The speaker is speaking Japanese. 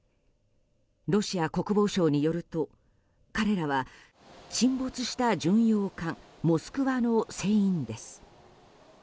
ロシア国防省によると彼らは沈没した巡洋艦「モスクワ」の船員です。